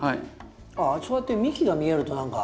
ああそうやって幹が見えると何か。